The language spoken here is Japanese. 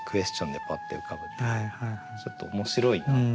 ちょっと面白いなと。